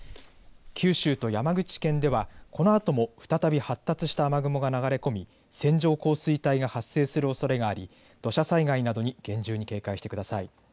九州と山口県ではこのあとも再び発達した雨雲が流れ込み線状降水帯が発生するおそれがあり土砂災害などに厳重に警戒してください。